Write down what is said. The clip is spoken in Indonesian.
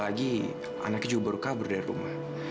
saya anggiah orang